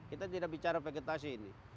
kita tidak bicara vegetasi ini